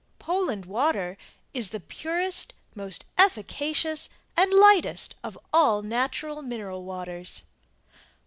"POLAND" WATER IS the purest, most efficacious and lightest of all natural mineral waters.